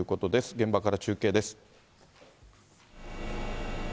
現場から中継です。